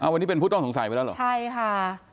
วันนี้เป็นผู้ต้องสงสัยไปแล้วเหรอใช่ค่ะ